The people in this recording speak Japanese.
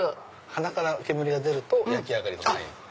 鼻から煙が出ると焼き上がりのサイン。